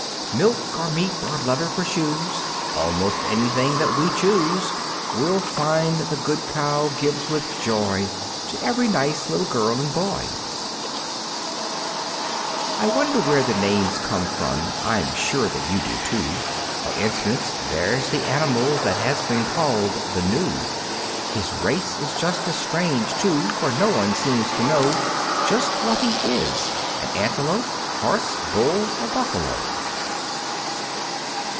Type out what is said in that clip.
Milk or meat or leather for shoes, Almost anything that we choose, We'll find the good Cow gives with joy To every nice little girl and boy. I wonder where the names come from (I'm sure that you do, too). For instance, there's the animal that has been called the Gnu. His race is just as strange, too, for no one seems to know Just what he is an antelope, horse, bull or buffalo.